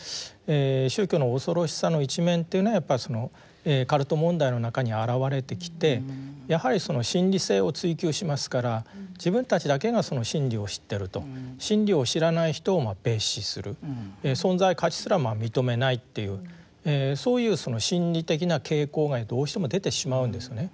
宗教の恐ろしさの一面というのはやっぱりそのカルト問題の中に現れてきてやはり真理性を追求しますから自分たちだけがその真理を知ってると真理を知らない人を蔑視する存在価値すら認めないっていうそういうその心理的な傾向がどうしても出てしまうんですよね。